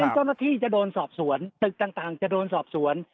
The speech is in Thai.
เจ้าหน้าที่จะโดนสอบสวนตึกต่างจะโดนสอบสวน